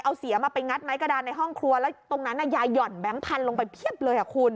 เอาเสียมาไปงัดไม้กระดานในห้องครัวแล้วตรงนั้นยายหย่อนแบงค์พันธุลงไปเพียบเลยอ่ะคุณ